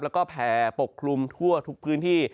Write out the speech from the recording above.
แล้วก็แผ่ปกคลุมทั่วทุกพื้นที่